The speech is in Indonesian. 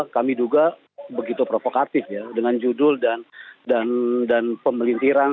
kami duga begitu provokatif ya dengan judul dan pemelintiran